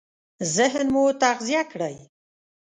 ذهن مو تغذيه کړئ!